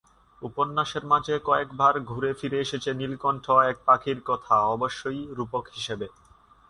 উপন্যাসের মাঝে কয়েকবার ঘুরে ফিরে এসেছে নীলকণ্ঠ এক পাখির কথা, অবশ্যই রূপক হিসাবে।